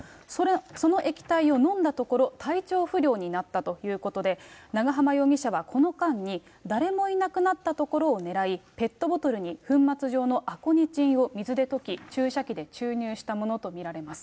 その液体を飲んだところ、体調不良になったということで、長浜容疑者はこの間に、誰もいなくなったところを狙い、ペットボトルに粉末状のアコニチンを水で溶き、注射器で注入したものと見られます。